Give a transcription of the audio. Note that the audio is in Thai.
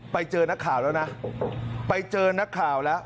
ไปเจอนักข่าวแล้วนะไปเจอนักข่าวแล้ว